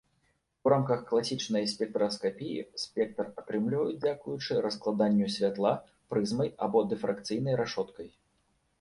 У рамках класічнай спектраскапіі спектр атрымліваюць дзякуючы раскладанню святла прызмай або дыфракцыйнай рашоткай.